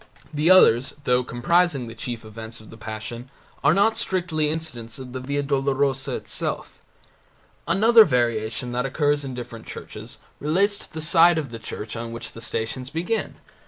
The others, though comprising the chief events of the Passion, are not strictly incidents of the Via Dolorosa itself. Another variation that occurs in different churches relates to the side of the church on which the Stations begin.